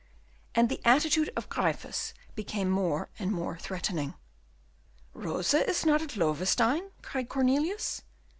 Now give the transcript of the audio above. And the attitude of Gryphus became more and more threatening. "Rosa is not at Loewestein?" cried Cornelius.